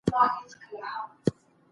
هغه د تورې او قلم خاوند و